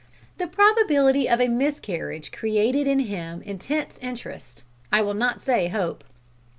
The probability of a miscarriage created in him intense interest I will not say hope!